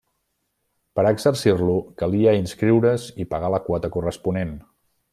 Per a exercir-lo, calia inscriure’s i pagar la quota corresponent.